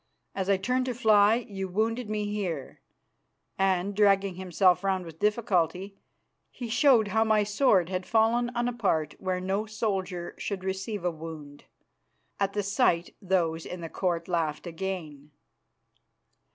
As I turned to fly, me you wounded here," and, dragging himself round with difficulty, he showed how my sword had fallen on a part where no soldier should receive a wound. At this sight those in the Court laughed again.